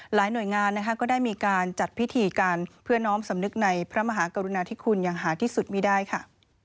หน่วยงานนะคะก็ได้มีการจัดพิธีกันเพื่อน้อมสำนึกในพระมหากรุณาธิคุณอย่างหาที่สุดไม่ได้ค่ะ